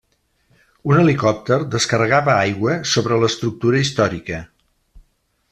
Un helicòpter descarregava aigua sobre l'estructura històrica.